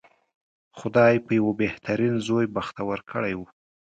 خدای په یوه بهترین زوی بختور کړی و.